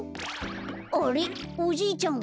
あれっおじいちゃんは？